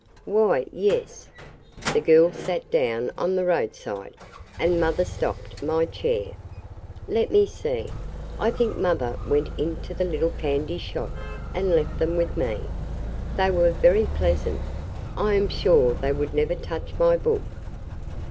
"Why, yes. The girl sat down on the roadside, and mother stopped my chair. Let me see; I think mother went into the little candy shop and left them with me. They were very pleasant. I am sure they would never touch my book."